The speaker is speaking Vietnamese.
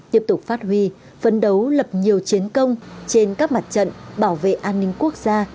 tiếp tục phát huy phấn đấu lập nhiều chiến công trên các mặt trận bảo vệ an ninh quốc gia